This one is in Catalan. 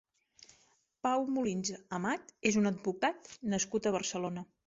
Pau Molins Amat és un advocat nascut a Barcelona.